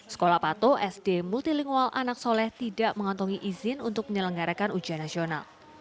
sekolah pato sd multilingual anak soleh tidak mengantongi izin untuk menyelenggarakan ujian nasional